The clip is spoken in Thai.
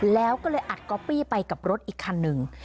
แล้วก็เลยอัดก๊อปปี้ไปกับรถอีกคันหนึ่ง